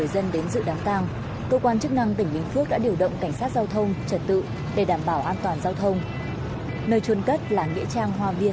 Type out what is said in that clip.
xin chào và hẹn gặp lại